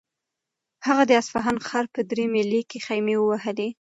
هغه د اصفهان ښار په درې میلۍ کې خیمې ووهلې.